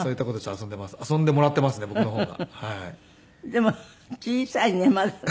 でも小さいねまだね。